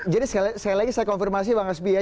jadi sekali lagi saya konfirmasi bang hasbi ya